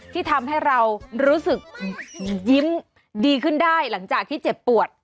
ที่ทำให้เรารู้สึกยิ้มดีขึ้นได้หลังจากที่เจ็บปวด